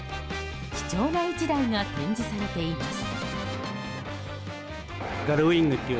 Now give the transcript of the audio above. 貴重な１台が展示されています。